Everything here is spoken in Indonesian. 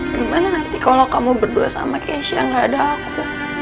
gimana nanti kalau kamu berdua sama keisha gak ada aku